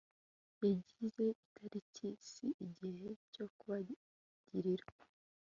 yagize atiiki si igihe cyo kubagirira